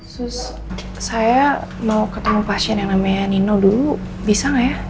terus saya mau ketemu pasien yang namanya nino dulu bisa nggak ya